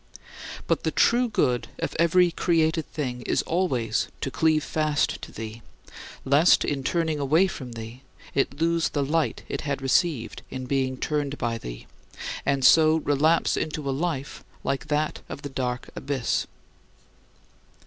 But the true good of every created thing is always to cleave fast to thee, lest, in turning away from thee, it lose the light it had received in being turned by thee, and so relapse into a life like that of the dark abyss.